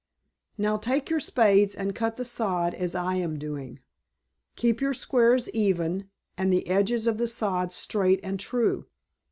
Now take your spades and cut the sod as I am doing. Keep your squares even, and the edges of the sod straight and true.